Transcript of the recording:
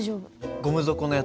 ゴム底のやつ？